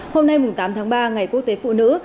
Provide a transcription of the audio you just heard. hôm nay tám tháng ba ngày quốc tế phụ nữ